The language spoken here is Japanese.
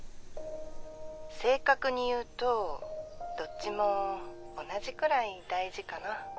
正確に言うとどっちも同じくらい大事かな。